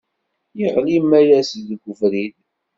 Yeɣli Mayas deg ubrid.